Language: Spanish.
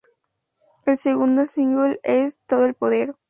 El segundo single es "Todo El Poder".